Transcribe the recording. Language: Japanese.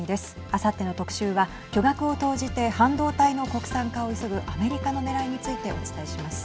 あさっての特集は巨額を投じて半導体の国産化を急ぐアメリカのねらいについてお伝えします。